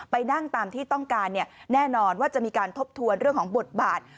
ไปนั่งตามที่ต้องการแน่นอนว่าจะมีการทบทวนเรื่องของบทบาท